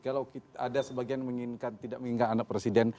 kalau ada sebagian menginginkan tidak menginginkan anak presiden